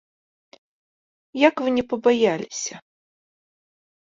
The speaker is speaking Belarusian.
Як вы не пабаяліся!